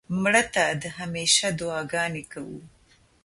مړه ته د همېشه دعا ګانې کوو